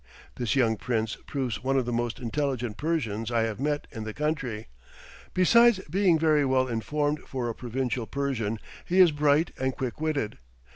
This young prince proves one of the most intelligent Persians I have met in the country; besides being very well informed for a provincial Persian, he is bright and quick witted.